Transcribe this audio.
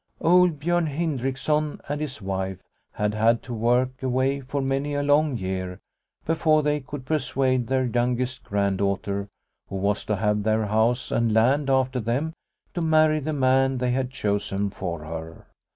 Old Biorn Hindriksson and his wife had had to work away for many a long year before they could persuade their youngest granddaughter, who was to have their house and land after them, to marry the man they had chosen for her.